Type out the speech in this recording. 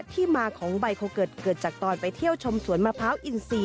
ที่มาของไบโคเกิร์ตเกิดจากตอนไปเที่ยวชมสวนมะพร้าวอินซี